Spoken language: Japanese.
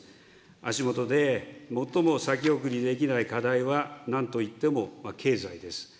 足下で最も先送りできない課題は、なんといっても経済です。